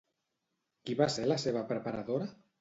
Qui va ser la seva preparadora?